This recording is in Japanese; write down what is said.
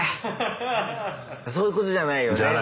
そういうことじゃないよね？じゃない。